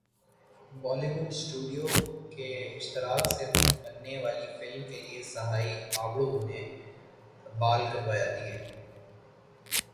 Holi would studio کے اشتراک سے بننے والی فلم کیلئے سہائی ابڑو نے بال کٹوادیے